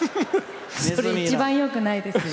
それ一番よくないですよ。